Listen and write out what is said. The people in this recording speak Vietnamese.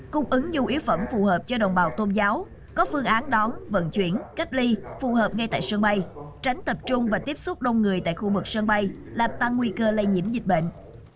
cung ứng nhu yếu phẩm phù hợp cho đồng bào tôn giáo có phương án đón vận chuyển cách ly phù hợp ngay tại sân bay tránh tập trung và tiếp xúc đông người tại khu vực sân bay làm tăng nguy cơ lây nhiễm dịch bệnh